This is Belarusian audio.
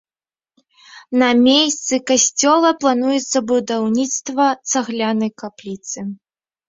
На месцы касцёла плануецца будаўніцтва цаглянай капліцы.